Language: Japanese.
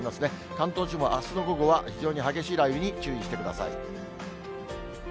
関東地方、あすの午後は非常に激しい雷雨に注意してください。